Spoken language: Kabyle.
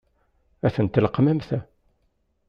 Ad tent-tleqqmemt?